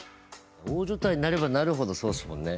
大所帯になればなるほどそうっすもんね。